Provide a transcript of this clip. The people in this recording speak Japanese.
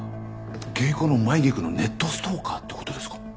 芸妓の舞菊のネットストーカーって事ですか？